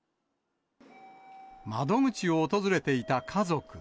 窓口を訪れていた家族。